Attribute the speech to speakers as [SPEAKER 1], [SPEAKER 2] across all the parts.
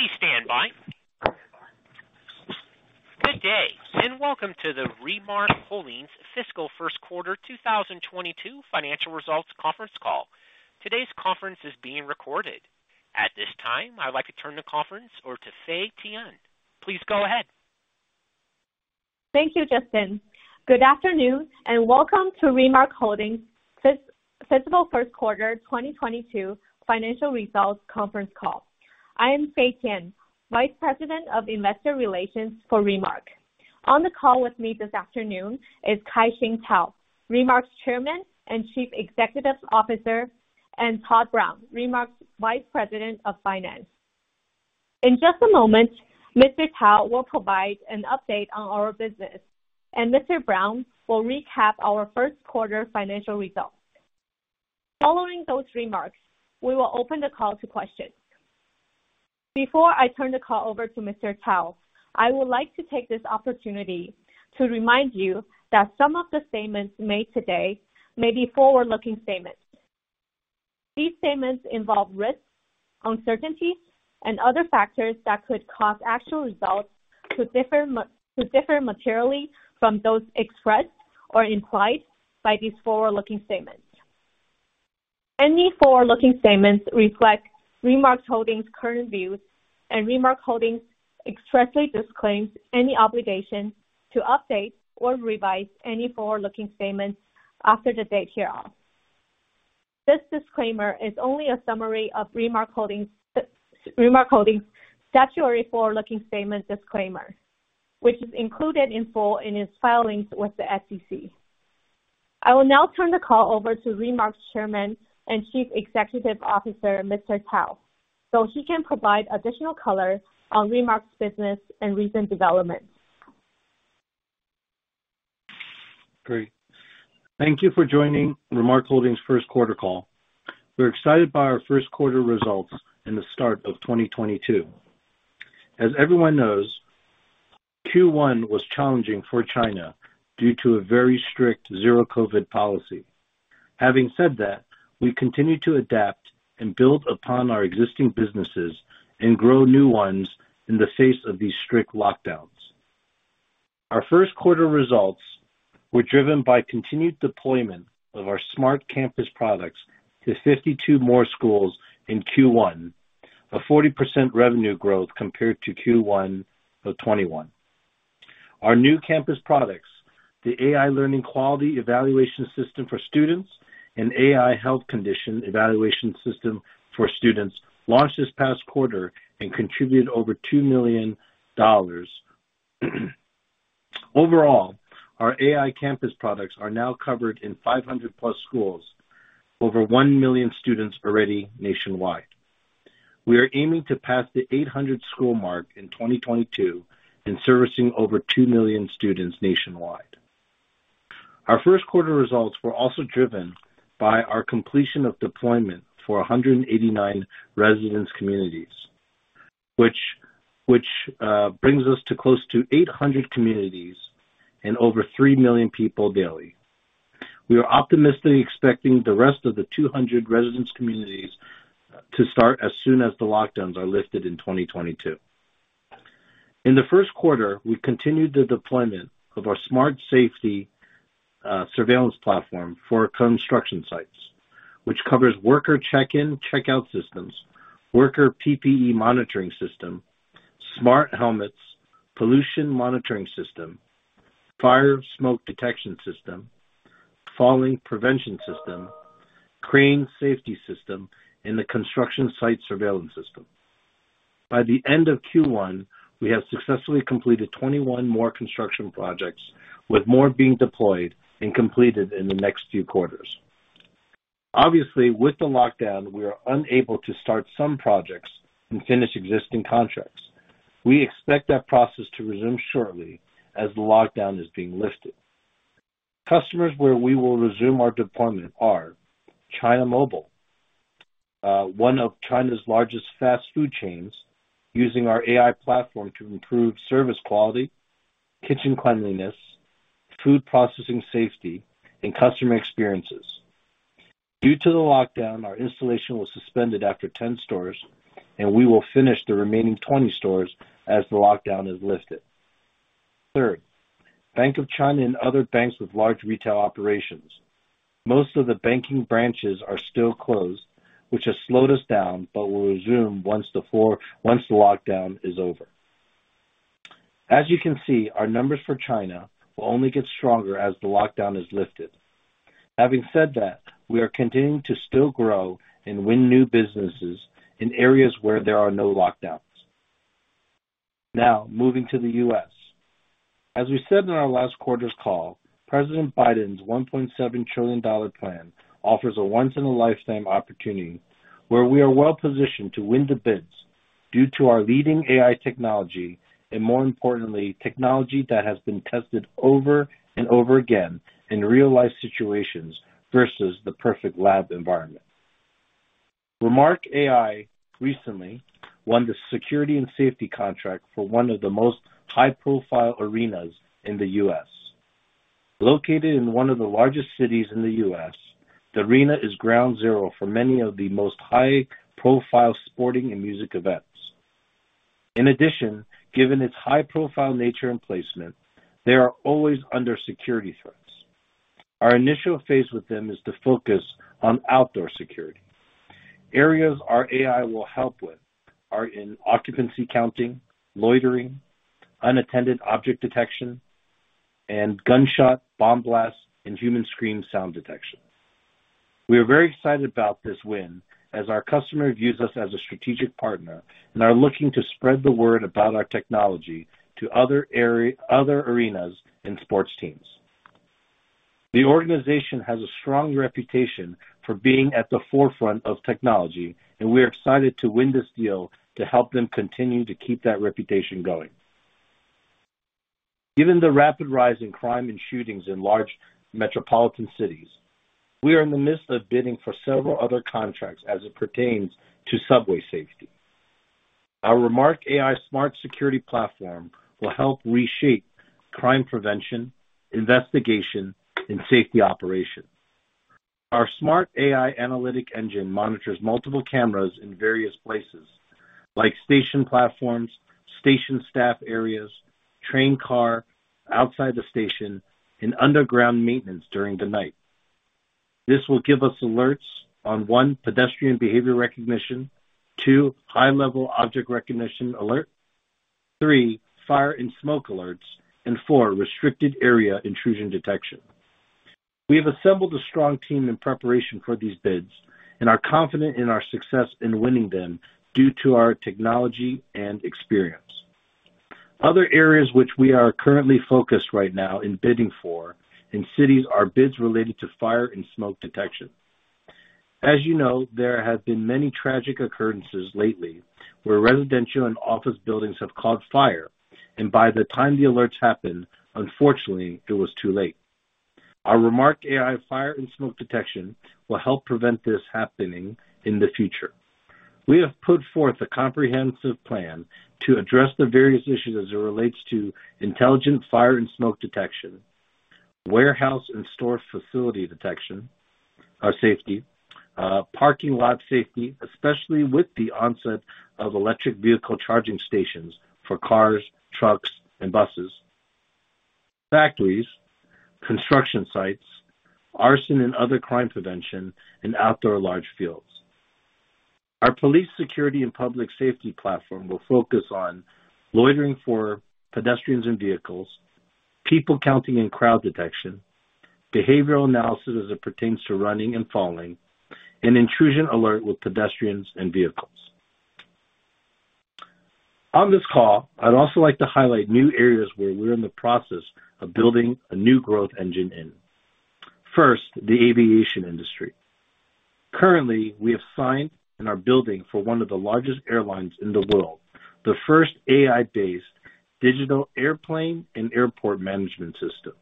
[SPEAKER 1] Please stand by. Good day, and welcome to the Remark Holdings Fiscal First Quarter 2022 financial results conference call. Today's conference is being recorded. At this time, I'd like to turn the conference over to Fay Tian. Please go ahead.
[SPEAKER 2] Thank you, Justin. Good afternoon and welcome to Remark Holdings fiscal first quarter 2022 financial results conference call. I am Fay Tian, Vice President of Investor Relations for Remark. On the call with me this afternoon is Kai-Shing Tao, Remark's Chairman and Chief Executive Officer, and Todd Brown, Remark's Vice President of Finance. In just a moment, Mr. Tao will provide an update on our business and Mr. Brown will recap our first quarter financial results. Following those remarks, we will open the call to questions. Before I turn the call over to Mr. Tao, I would like to take this opportunity to remind you that some of the statements made today may be forward-looking statements. These statements involve risks, uncertainties, and other factors that could cause actual results to differ materially from those expressed or implied by these forward-looking statements. Any forward-looking statements reflect Remark Holdings' current views and Remark Holdings expressly disclaims any obligation to update or revise any forward-looking statements after the date hereof. This disclaimer is only a summary of Remark Holdings' statutory forward-looking statement disclaimer, which is included in full in its filings with the SEC. I will now turn the call over to Remark's Chairman and Chief Executive Officer, Mr. Tao, so he can provide additional color on Remark's business and recent developments.
[SPEAKER 3] Great. Thank you for joining Remark Holdings first quarter call. We're excited by our first quarter results in the start of 2022. As everyone knows, Q1 was challenging for China due to a very strict zero COVID policy. Having said that, we continue to adapt and build upon our existing businesses and grow new ones in the face of these strict lockdowns. Our first quarter results were driven by continued deployment of our smart campus products to 52 more schools in Q1. A 40% revenue growth compared to Q1 of 2021. Our new campus products, the AI learning quality evaluation system for students and AI health condition evaluation system for students, launched this past quarter and contributed over $2 million. Overall, our AI campus products are now covered in 500+ schools, over 1 million students already nationwide. We are aiming to pass the 800 school mark in 2022 and servicing over 2 million students nationwide. Our first quarter results were also driven by our completion of deployment for 189 residence communities, which brings us to close to 800 communities and over 3 million people daily. We are optimistically expecting the rest of the 200 residence communities to start as soon as the lockdowns are lifted in 2022. In the first quarter, we continued the deployment of our Smart Safety Platform for construction sites, which covers worker check-in, check-out systems, worker PPE monitoring system, smart helmets, pollution monitoring system, fire and smoke detection system, fall prevention system, crane safety system, and the construction site surveillance system. By the end of Q1, we have successfully completed 21 more construction projects, with more being deployed and completed in the next few quarters. Obviously, with the lockdown, we are unable to start some projects and finish existing contracts. We expect that process to resume shortly as the lockdown is being lifted. Customers where we will resume our deployment are China Mobile, one of China's largest fast food chains, using our AI platform to improve service quality, kitchen cleanliness, food processing safety and customer experiences. Due to the lockdown, our installation was suspended after 10 stores and we will finish the remaining 20 stores as the lockdown is lifted. Third, Bank of China and other banks with large retail operations. Most of the banking branches are still closed, which has slowed us down, but will resume once the lockdown is over. As you can see, our numbers for China will only get stronger as the lockdown is lifted. Having said that, we are continuing to still grow and win new businesses in areas where there are no lockdowns. Now moving to the U.S. As we said in our last quarter's call, President Biden's $1.7 trillion dollar plan offers a once in a lifetime opportunity where we are well-positioned to win the bids due to our leading AI technology and more importantly, technology that has been tested over and over again in real life situations versus the perfect lab environment. Remark AI recently won the security and safety contract for one of the most high-profile arenas in the U.S. Located in one of the largest cities in the U.S., the arena is ground zero for many of the most high-profile sporting and music events. In addition, given its high-profile nature and placement, they are always under security threats. Our initial phase with them is to focus on outdoor security. Areas our AI will help with are in occupancy counting, loitering, unattended object detection, and gunshot, bomb blasts, and human scream sound detection. We are very excited about this win as our customer views us as a strategic partner and are looking to spread the word about our technology to other arenas and sports teams. The organization has a strong reputation for being at the forefront of technology, and we are excited to win this deal to help them continue to keep that reputation going. Given the rapid rise in crime and shootings in large metropolitan cities, we are in the midst of bidding for several other contracts as it pertains to subway safety. Our Remark AI Smart Safety Platform will help reshape crime prevention, investigation, and safety operations. Our smart AI analytic engine monitors multiple cameras in various places like station platforms, station staff areas, train car, outside the station, and underground maintenance during the night. This will give us alerts on, one, pedestrian behavior recognition. Two, high-level object recognition alert. Three, fire and smoke alerts. Four, restricted area intrusion detection. We have assembled a strong team in preparation for these bids and are confident in our success in winning them due to our technology and experience. Other areas which we are currently focused right now in bidding for in cities are bids related to fire and smoke detection. As you know, there have been many tragic occurrences lately where residential and office buildings have caught fire, and by the time the alerts happened, unfortunately it was too late. Our Remark AI fire and smoke detection will help prevent this happening in the future. We have put forth a comprehensive plan to address the various issues as it relates to intelligent fire and smoke detection, warehouse and store facility detection or safety, parking lot safety, especially with the onset of electric vehicle charging stations for cars, trucks and buses, factories, construction sites, arson and other crime prevention, and outdoor large fields. Our police security and public safety platform will focus on loitering for pedestrians and vehicles, people counting and crowd detection, behavioral analysis as it pertains to running and falling, and intrusion alert with pedestrians and vehicles. On this call, I'd also like to highlight new areas where we're in the process of building a new growth engine in. First, the aviation industry. Currently, we have signed and are building for one of the largest airlines in the world, the first AI-based digital airplane and airport management system.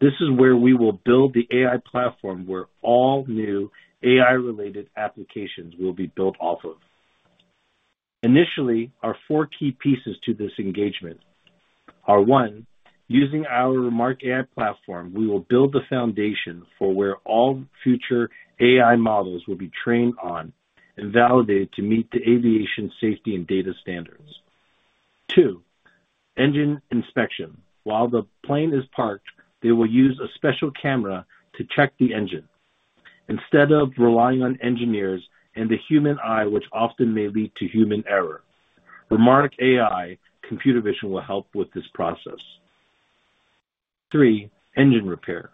[SPEAKER 3] This is where we will build the AI platform where all new AI-related applications will be built off of. Initially, our four key pieces to this engagement are, one, using our Remark AI platform, we will build the foundation for where all future AI models will be trained on and validated to meet the aviation safety and data standards. Two, engine inspection. While the plane is parked, they will use a special camera to check the engine. Instead of relying on engineers and the human eye, which often may lead to human error, Remark AI computer vision will help with this process. Three, engine repair.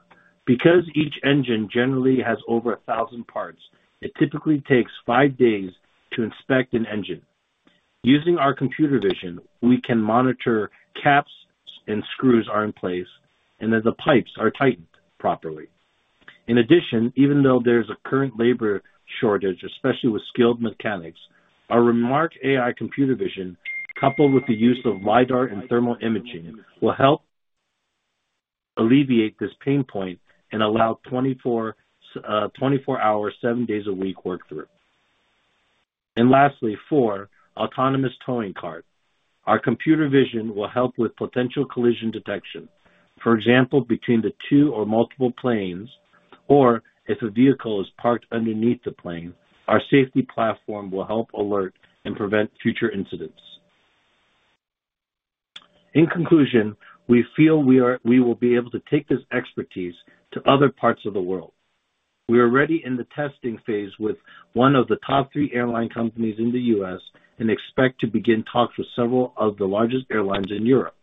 [SPEAKER 3] Because each engine generally has over 1,000 parts, it typically takes five days to inspect an engine. Using our computer vision, we can monitor caps and screws are in place and that the pipes are tightened properly. In addition, even though there's a current labor shortage, especially with skilled mechanics, our Remark AI computer vision, coupled with the use of lidar and thermal imaging, will help alleviate this pain point and allow 24 hours, seven days a week work through. Lastly, fourth, autonomous towing cart. Our computer vision will help with potential collision detection. For example, between the two or multiple planes, or if a vehicle is parked underneath the plane, our safety platform will help alert and prevent future incidents. In conclusion, we will be able to take this expertise to other parts of the world. We are already in the testing phase with one of the top three airline companies in the U.S. and expect to begin talks with several of the largest airlines in Europe.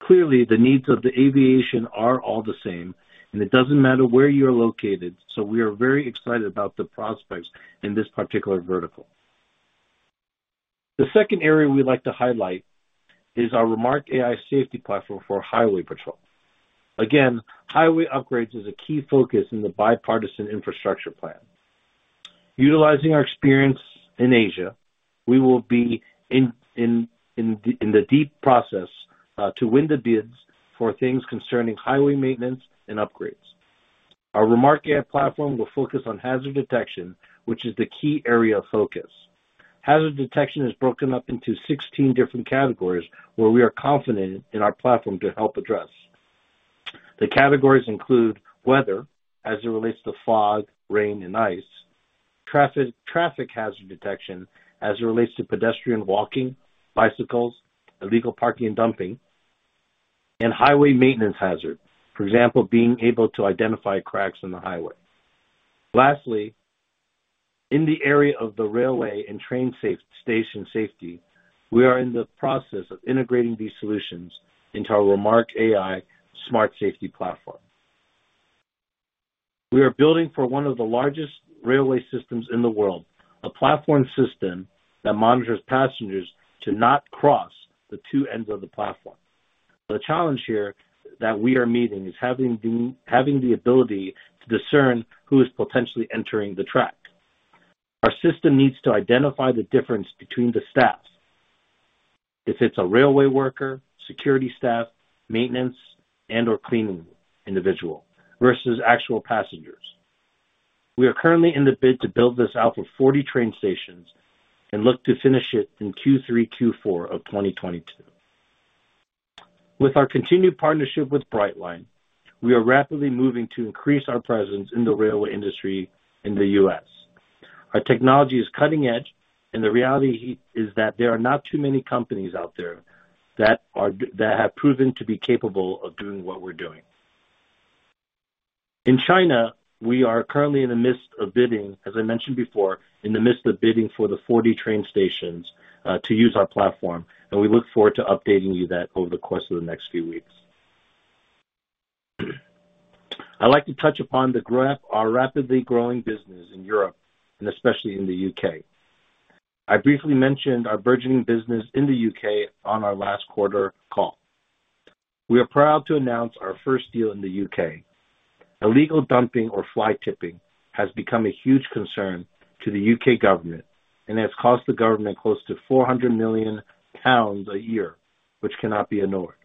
[SPEAKER 3] Clearly, the needs of the aviation are all the same, and it doesn't matter where you're located. We are very excited about the prospects in this particular vertical. The second area we'd like to highlight is our Remark AI safety platform for highway patrol. Again, highway upgrades is a key focus in the Bipartisan Infrastructure Law. Utilizing our experience in Asia, we will be in the deep process to win the bids for things concerning highway maintenance and upgrades. Our Remark AI platform will focus on hazard detection, which is the key area of focus. Hazard detection is broken up into 16 different categories where we are confident in our platform to help address. The categories include weather as it relates to fog, rain, and ice, traffic hazard detection as it relates to pedestrian walking, bicycles, illegal parking and dumping, and highway maintenance hazard, for example, being able to identify cracks in the highway. Lastly, in the area of the railway and train station safety, we are in the process of integrating these solutions into our Remark AI Smart Safety Platform. We are building for one of the largest railway systems in the world, a platform system that monitors passengers to not cross the two ends of the platform. The challenge here that we are meeting is having the ability to discern who is potentially entering the track. Our system needs to identify the difference between the staffs. If it's a railway worker, security staff, maintenance, and/or cleaning individual versus actual passengers. We are currently in the bid to build this out for 40 train stations and look to finish it in Q3, Q4 of 2022. With our continued partnership with Brightline, we are rapidly moving to increase our presence in the railway industry in the U.S. Our technology is cutting edge, and the reality is that there are not too many companies out there that have proven to be capable of doing what we're doing. In China, we are currently in the midst of bidding for the 40 train stations to use our platform, and we look forward to updating you that over the course of the next few weeks. I'd like to touch upon the graph, our rapidly growing business in Europe and especially in the U.K. I briefly mentioned our burgeoning business in the U.K. On our last quarter call. We are proud to announce our first deal in the U.K. Illegal dumping or fly-tipping has become a huge concern to the U.K. Government and has cost the government close to 400 million pounds a year, which cannot be ignored.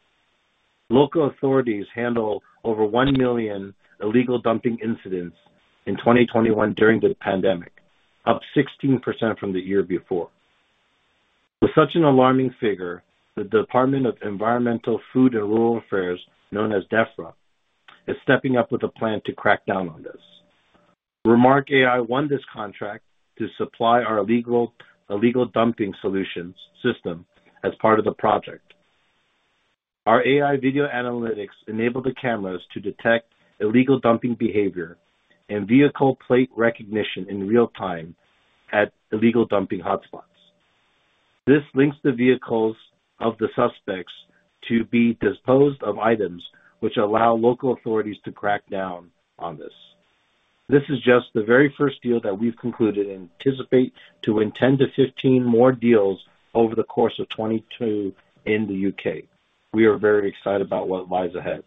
[SPEAKER 3] Local authorities handle over 1 million illegal dumping incidents in 2021 during the pandemic, up 16% from the year before. With such an alarming figure, the Department for Environment, Food and Rural Affairs, known as Defra, is stepping up with a plan to crack down on this. Remark AI won this contract to supply our illegal dumping solutions system as part of the project. Our AI video analytics enable the cameras to detect illegal dumping behavior and vehicle plate recognition in real time at illegal dumping hotspots. This links the vehicles of the suspects to be disposed of items which allow local authorities to crack down on this. This is just the very first deal that we've concluded and anticipate to win 10-15 more deals over the course of 2022 in the U.K. We are very excited about what lies ahead.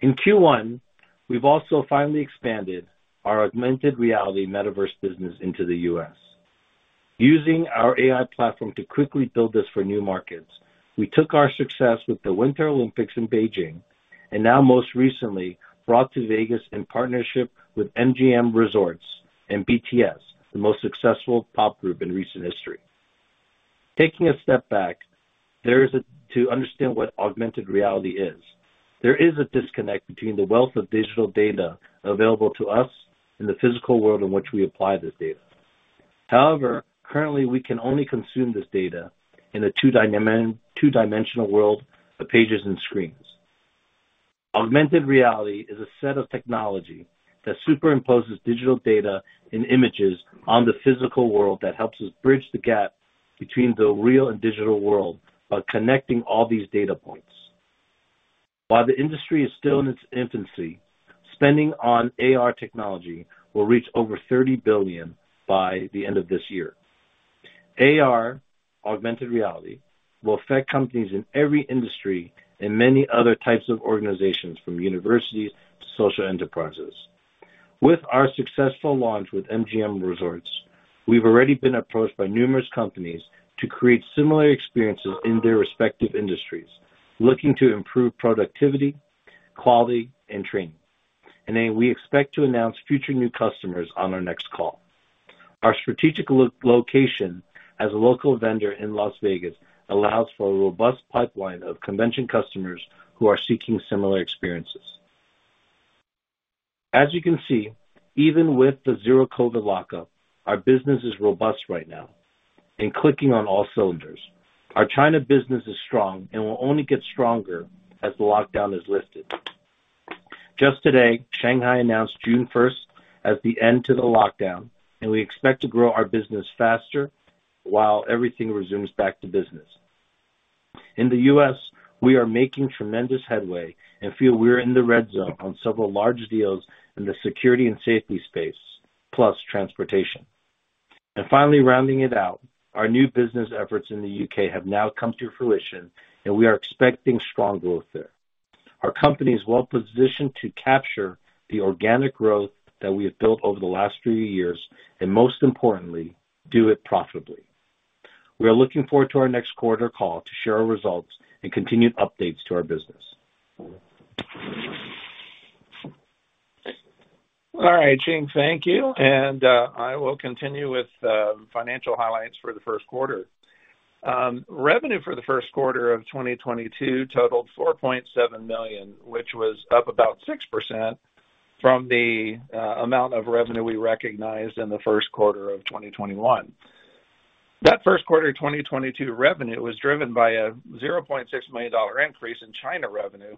[SPEAKER 3] In Q1, we've also finally expanded our augmented reality metaverse business into the U.S. Using our AI platform to quickly build this for new markets, we took our success with the Winter Olympics in Beijing and now most recently brought to Vegas in partnership with MGM Resorts International and BTS, the most successful pop group in recent history. Taking a step back, to understand what augmented reality is. There is a disconnect between the wealth of digital data available to us in the physical world in which we apply this data. However, currently, we can only consume this data in a two-dimensional world of pages and screens. Augmented reality is a set of technology that superimposes digital data and images on the physical world that helps us bridge the gap between the real and digital world by connecting all these data points. While the industry is still in its infancy, spending on AR technology will reach over $30 billion by the end of this year. AR, augmented reality, will affect companies in every industry and many other types of organizations from universities to social enterprises. With our successful launch with MGM Resorts, we've already been approached by numerous companies to create similar experiences in their respective industries, looking to improve productivity, quality, and training. We expect to announce future new customers on our next call. Our strategic location as a local vendor in Las Vegas allows for a robust pipeline of convention customers who are seeking similar experiences. As you can see, even with the zero COVID lockdown, our business is robust right now and firing on all cylinders. Our China business is strong and will only get stronger as the lockdown is lifted. Just today, Shanghai announced June first as the end to the lockdown, and we expect to grow our business faster while everything resumes back to business. In the U.S., we are making tremendous headway and feel we're in the red zone on several large deals in the security and safety space, plus transportation. Finally rounding it out, our new business efforts in the U.K. have now come to fruition, and we are expecting strong growth there. Our company is well-positioned to capture the organic growth that we have built over the last few years, and most importantly, do it profitably. We are looking forward to our next quarter call to share our results and continued updates to our business.
[SPEAKER 4] All right, Shing. Thank you. I will continue with financial highlights for the first quarter. Revenue for the first quarter of 2022 totaled $4.7 million, which was up about 6% from the amount of revenue we recognized in the first quarter of 2021. That first quarter of 2022 revenue was driven by a $0.6 million increase in China revenue,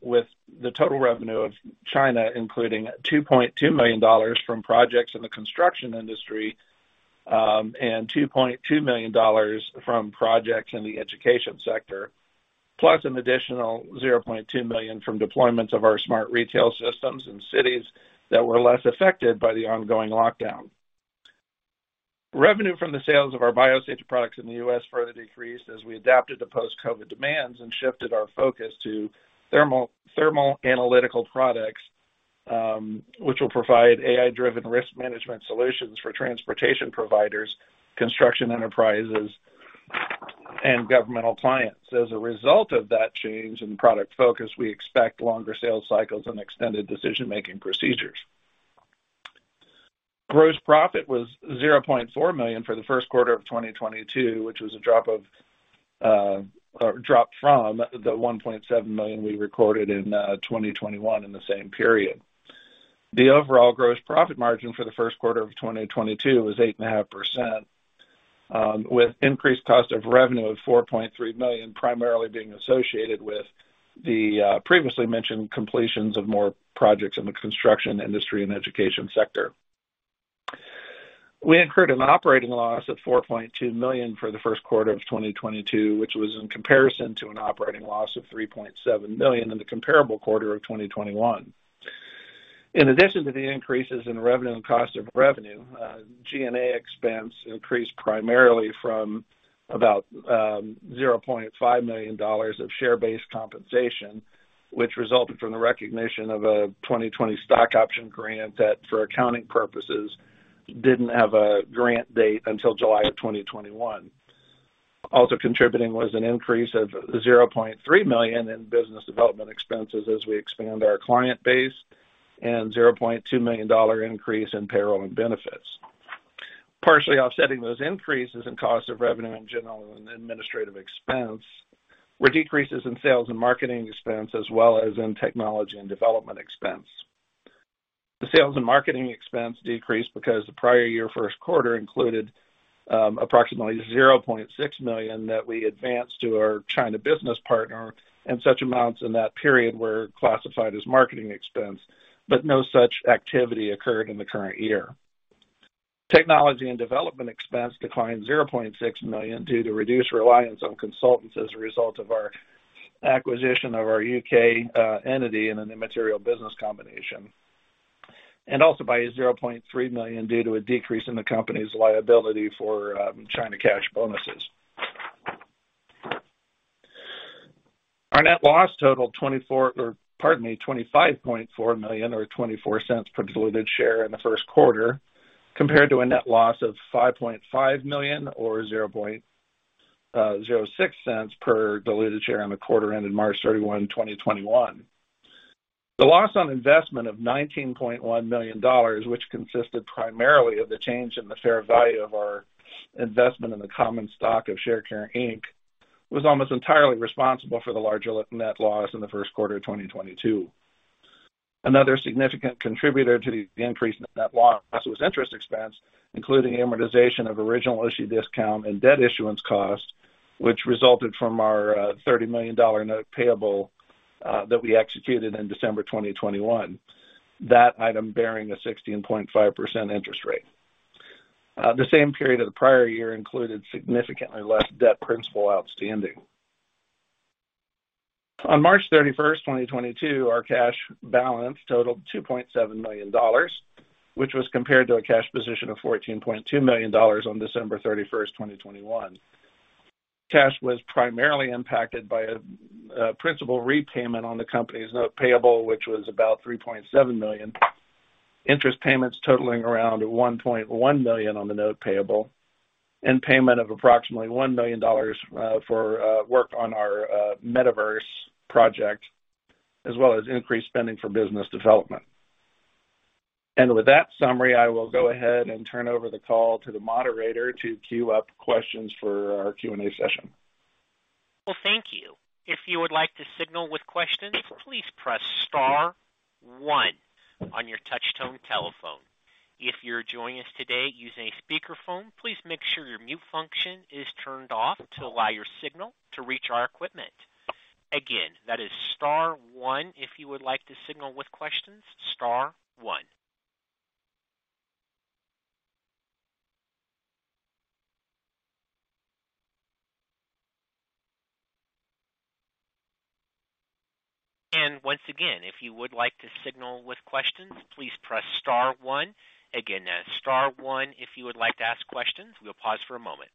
[SPEAKER 4] with the total revenue of China including $2.2 million from projects in the construction industry, and $2.2 million from projects in the education sector, plus an additional $0.2 million from deployments of our smart retail systems in cities that were less affected by the ongoing lockdown. Revenue from the sales of our biosensor products in the U.S. further decreased as we adapted to post-COVID demands and shifted our focus to thermal analytics products, which will provide AI-driven risk management solutions for transportation providers, construction enterprises, and governmental clients. As a result of that change in product focus, we expect longer sales cycles and extended decision-making procedures. Gross profit was $0.4 million for the first quarter of 2022, which dropped from the $1.7 million we recorded in 2021 in the same period. The overall gross profit margin for the first quarter of 2022 was 8.5%, with increased cost of revenue of $4.3 million primarily being associated with the previously mentioned completions of more projects in the construction industry and education sector. We incurred an operating loss of $4.2 million for the first quarter of 2022, which was in comparison to an operating loss of $3.7 million in the comparable quarter of 2021. In addition to the increases in revenue and cost of revenue, G&A expense increased primarily from about $0.5 million of share-based compensation, which resulted from the recognition of a 2020 stock option grant that, for accounting purposes, didn't have a grant date until July of 2021. Also contributing was an increase of $0.3 million in business development expenses as we expand our client base, and $0.2 million dollar increase in payroll and benefits. Partially offsetting those increases in cost of revenue and general and administrative expense were decreases in sales and marketing expense as well as in technology and development expense. The sales and marketing expense decreased because the prior year first quarter included approximately $0.6 million that we advanced to our China business partner, and such amounts in that period were classified as marketing expense, but no such activity occurred in the current year. Technology and development expense declined $0.6 million due to reduced reliance on consultants as a result of our acquisition of our U.K. entity in an immaterial business combination. Also by $0.3 million due to a decrease in the company's liability for China cash bonuses. Our net loss totaled $25.4 million or $0.24 per diluted share in the first quarter compared to a net loss of $5.5 million or six cents per diluted share for the quarter ended March 31, 2021. The loss on investment of $19.1 million, which consisted primarily of the change in the fair value of our investment in the common stock of Sharecare, Inc., was almost entirely responsible for the larger net loss in the first quarter of 2022. Another significant contributor to the increase in net loss was interest expense, including amortization of original issue discount and debt issuance costs, which resulted from our $30 million note payable that we executed in December 2021. That item bearing a 16.5% interest rate. The same period of the prior year included significantly less debt principal outstanding. On March 31, 2022, our cash balance totaled $2.7 million, which was compared to a cash position of $14.2 million on December 31, 2021. Cash was primarily impacted by a principal repayment on the company's note payable, which was about $3.7 million. Interest payments totaling around $1.1 million on the note payable. Payment of approximately $1 million for work on our metaverse project, as well as increased spending for business development. With that summary, I will go ahead and turn over the call to the moderator to queue up questions for our Q&A session.
[SPEAKER 1] Well, thank you. If you would like to signal with questions, please press star one on your touch tone telephone. If you're joining us today using a speakerphone, please make sure your mute function is turned off to allow your signal to reach our equipment. Again, that is star one if you would like to signal with questions. Star one. Once again, if you would like to signal with questions, please press star one. Again, that is star one if you would like to ask questions. We'll pause for a moment.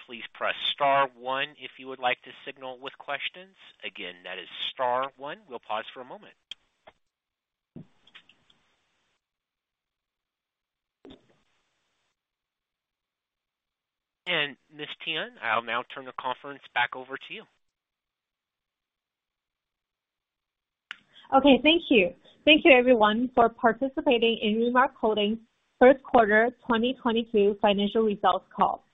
[SPEAKER 1] Once again, please press star one if you would like to signal with questions. Again, that is star one. We'll pause for a moment. Ms. Tian, I'll now turn the conference back over to you.
[SPEAKER 2] Okay, thank you. Thank you everyone for participating in Remark Holdings' first quarter 2022 financial results call.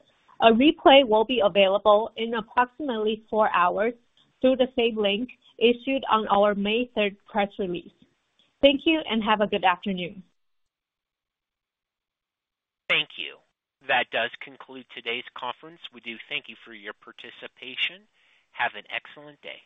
[SPEAKER 2] A replay will be available in approximately four hours through the same link issued on our May 3rd press release. Thank you, and have a good afternoon.
[SPEAKER 1] Thank you. That does conclude today's conference. We do thank you for your participation. Have an excellent day.